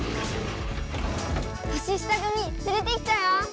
年下組つれてきたよ！